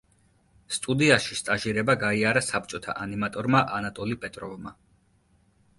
სტუდიაში სტაჟირება გაიარა საბჭოთა ანიმატორმა ანატოლი პეტროვმა.